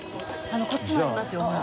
こっちもありますよほら。